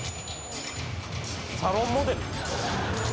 サロンモデル？